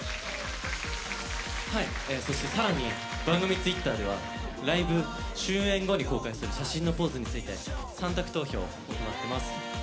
そしてさらに番組ツイッターではライブ終演後に公開する写真のポーズについて３択投票を行ってます。